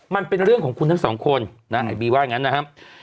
มันเป็นของคุณทั้งสองคนน่ะบีว่ายังงั้นนะครับ